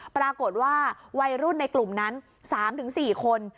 ปรากฏว่าวัยรุ่นในกลุ่มนั้น๓๔คน